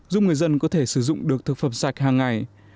giúp người dân có thể sử dụng được thực phẩm sạch hàng ngày